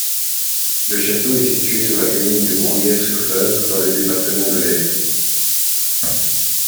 Le château est situé sur la commune de Bruyères-sur-Fère, dans le département de l'Aisne.